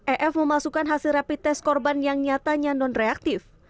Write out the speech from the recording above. ef memasukkan hasil rapid test korban yang nyatanya non reaktif